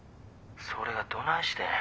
それがどないしてん。